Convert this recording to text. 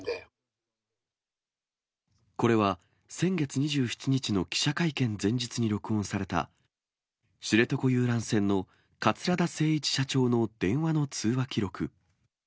これは、先月２７日の記者会見前日に録音された知床遊覧船の桂田精一社長の電話の通話記録。